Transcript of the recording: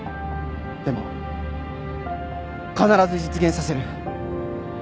でも必ず実現させる